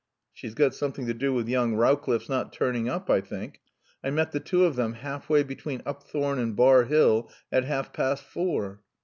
"She's got something to do with young Rowcliffe's not turning up, I think. I met the two of them half way between Upthorne and Bar Hill at half past four."